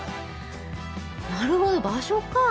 なるほど場所かぁ！